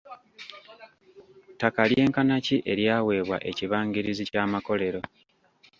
Ttaka lyenkana ki eryaweebwa ekibangirizi ky'amakolero.